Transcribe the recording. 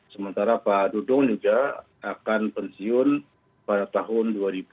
sementara pak dudung juga akan pensiun pada tahun dua ribu dua puluh